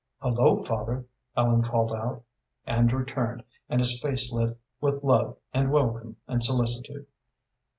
"Hullo, father!" Ellen called out. Andrew turned, and his face lit with love and welcome and solicitude.